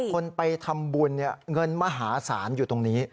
คนไปทำบุญเงินมหาศาลอยู่ตรงนี้